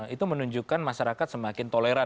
itu menunjukkan masyarakat semakin toleran